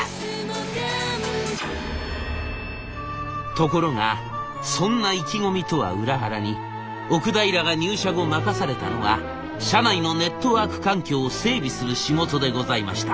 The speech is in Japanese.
ところがそんな意気込みとは裏腹に奥平が入社後任されたのは社内のネットワーク環境を整備する仕事でございました。